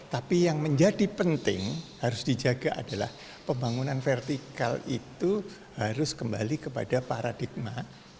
tapi yang menjadi penting harus dijaga adalah pembangunan vertikal itu harus kembali kepada paradigma